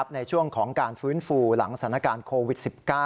ในช่วงของการฟื้นฟูหลังสถานการณ์โควิด๑๙